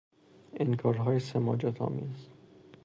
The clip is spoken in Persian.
انکارهای سماجت آمیز